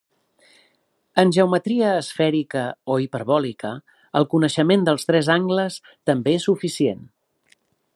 En geometria esfèrica o hiperbòlica, el coneixement dels tres angles també és suficient.